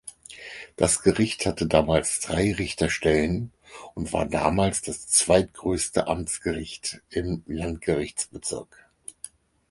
Das Gericht hatte damals drei Richterstellen und war damals das zweitgrößte Amtsgericht im Landgerichtsbezirk.